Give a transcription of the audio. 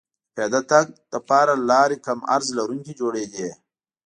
د پیاده تګ لپاره لارې کم عرض لرونکې جوړېدې